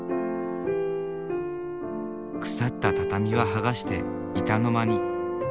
腐った畳は剥がして板の間に。